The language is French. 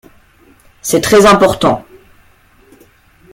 C’est très important.